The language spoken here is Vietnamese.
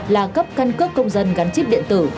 là cấp căn cước công dân gắn chip điện tử